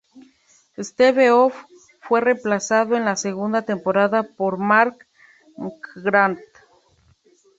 Steve-O fue reemplazado en la segunda temporada por Mark McGrath.